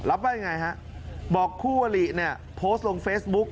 ว่ายังไงฮะบอกคู่อลิเนี่ยโพสต์ลงเฟซบุ๊ก